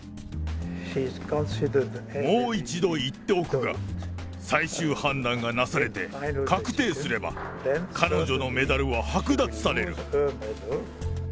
もう一度言っておくが、最終判断がなされて、確定すれば、彼女のメダルは剥奪される。